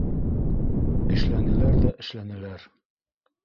Эшләнеләр ҙә эшләнеләр.